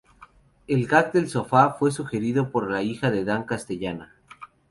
El gag del sofá fue sugerido por la hija de Dan Castellaneta.